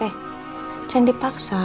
eh jangan dipaksa